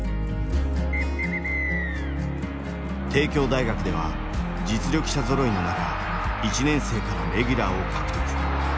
帝京大学では実力者ぞろいの中１年生からレギュラーを獲得。